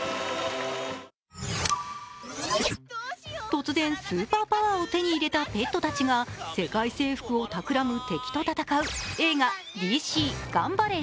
突然、スーパーパワーを手に入れたペットたちが世界征服をたくらむ敵と戦う映画「ＤＣがんばれ！